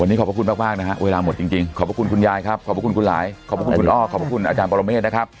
วันนี้ขอบพระคุณมากนะฮะเวลาหมดจริงขอบพระคุณคุณยายครับขอบคุณคุณหลายขอบคุณคุณอ้อขอบพระคุณอาจารย์ปรเมฆนะครับ